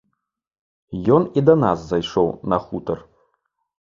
Ён і да нас зайшоў на хутар.